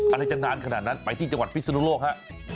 อะไรจะนานขนาดนั้นไปที่จังหวัดพิศนุโลกฮะ